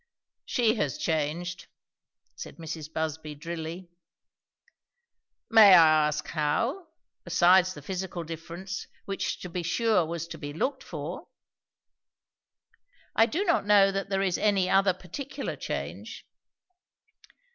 "She has changed," said Mrs. Busby drily. "May I ask, how? besides the physical difference, which to be sure was to be looked for?" "I do not know that there is any other particular change."